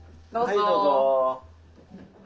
はいどうぞ。